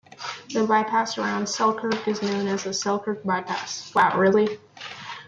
The bypass around Selkirk is known as the "Selkirk By-Pass".